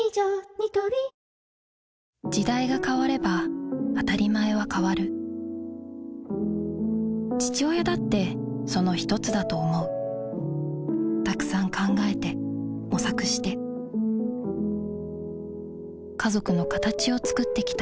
ニトリ時代が変われば当たり前は変わる父親だってそのひとつだと思うたくさん考えて模索して家族のカタチをつくってきた